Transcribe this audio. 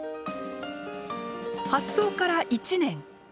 発想から１年。